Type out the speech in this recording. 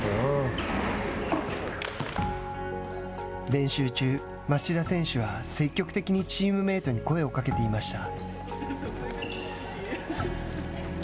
練習中、町田選手は積極的にチームメートに声をかけていました。